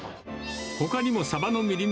ほかにもサバのみりん